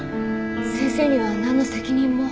先生には何の責任も。